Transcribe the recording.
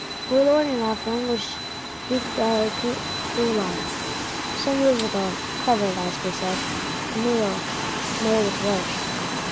Forlorn enough languished Duke d'Aiguillon, some years ago; covered, as we said, with meal; nay with worse.